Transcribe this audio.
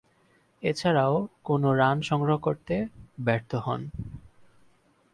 এছাড়াও, কোন রান সংগ্রহ করতে ব্যর্থ হন।